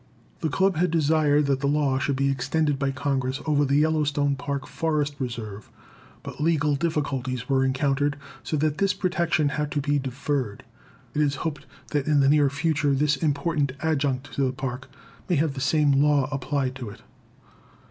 The Club had desired that the law should be extended by Congress over the Yellowstone Park Forest Reserve, but legal difficulties were encountered, so that this protection had to be deferred. It is to be hoped that in the near future this important adjunct to the Park may have the same law applied to it.